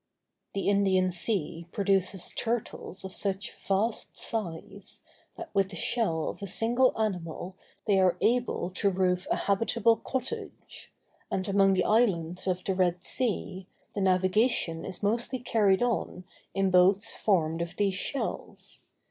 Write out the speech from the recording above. The Indian Sea produces turtles of such vast size, that with the shell of a single animal they are able to roof a habitable cottage; and among the islands of the Red Sea, the navigation is mostly carried on in boats formed of these shells.